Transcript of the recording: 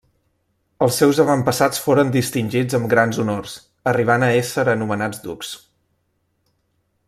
Els seus avantpassats foren distingits amb grans honors, arribant a ésser anomenats ducs.